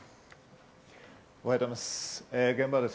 おはようございます。